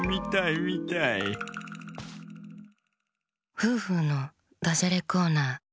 「フーフーのダジャレコーナー」。